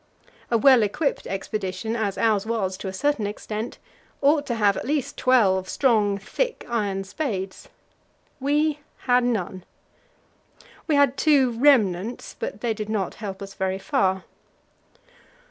A well equipped expedition, as ours was to a certain extent, ought to have at least twelve strong, thick iron spades. We had none. We had two remnants, but they did not help us very far.